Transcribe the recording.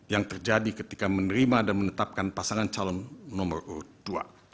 yang terjadi ketika menerima dan menetapkan pasangan calon nomor urut dua